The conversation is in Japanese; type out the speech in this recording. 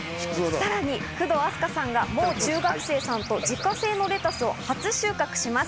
さらに工藤阿須加さんがもう中学生さんと自家製レタスを初収穫します。